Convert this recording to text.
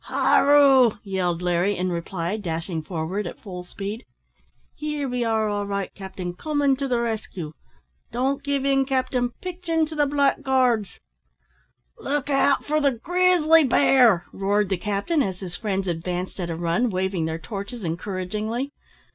"Hooroo!" yelled Larry, in reply, dashing forward at full speed. "Here we are all right, capting, comin' to the rescue; don't give in, capting; pitch into the blackguards " "Look out for the grizzly bear," roared the captain, as his friends advanced at a run, waving their torches encouragingly.